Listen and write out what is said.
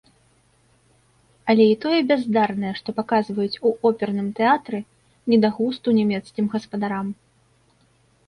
Але і тое бяздарнае, што паказваюць у оперным тэатры, не да густу нямецкім гаспадарам.